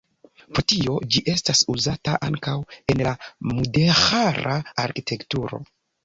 Pro tio, ĝi estas uzata ankaŭ en la mudeĥara arkitekturo.